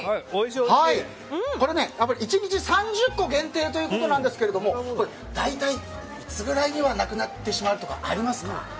これね、１日３０個限定ということなんですが大体、いつぐらいにはなくなってしまうとかありますか。